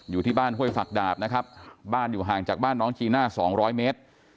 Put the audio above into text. อยู่ที่บ้านห้วยฝักดาบนะครับบ้านอยู่ห่างจากบ้านน้องจีน่าสองร้อยเมตร